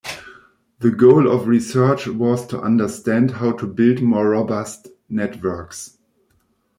The goal of research was to understand how to build more robust networks.